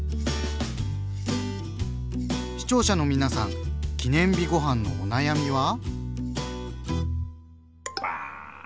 視聴者の皆さん記念日ごはんのお悩みは？